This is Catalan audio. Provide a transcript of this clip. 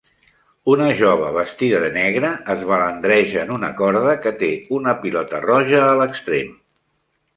Una jove vestida de negre es balandreja en una corda que té una pilota roja a l'extrem.